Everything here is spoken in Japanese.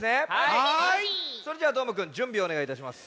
それじゃあどーもくんじゅんびをおねがいいたします。